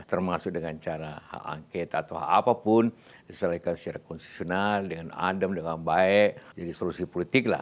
termasuk dengan cara hak angket atau apapun diselesaikan secara konstitusional dengan adem dengan baik jadi solusi politik lah